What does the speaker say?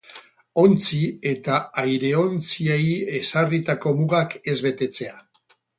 Ontzi eta aireontziei ezarritako mugak ez betetzea.